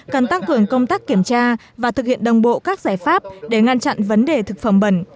cần tăng cường công tác kiểm tra và thực hiện đồng bộ các giải pháp để ngăn chặn vấn đề thực phẩm bẩn